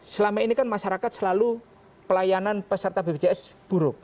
selama ini kan masyarakat selalu pelayanan peserta bpjs buruk